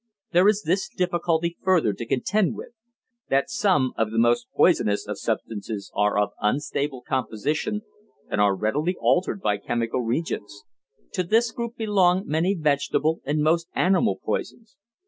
There is this difficulty further to contend with: that some of the most poisonous of substances are of unstable composition and are readily altered by chemical reagents; to this group belong many vegetable and most animal poisons.